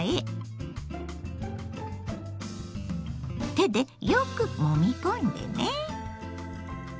手でよくもみ込んでね。